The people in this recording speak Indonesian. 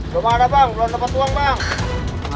ga ada bang belum dapet uang bang